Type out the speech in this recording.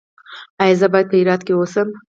ایا زه باید په هرات کې اوسم؟